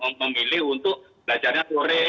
memilih untuk belajarnya sore